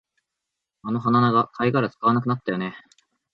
あの鼻長、貝殻使わなくなったよね